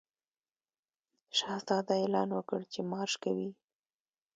شهزاده اعلان وکړ چې مارش کوي.